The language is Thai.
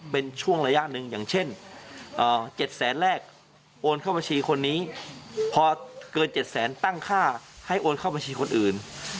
พอเกินเจ็ดแสนตั้งค่าให้โอนเข้าบัญชีคนอื่น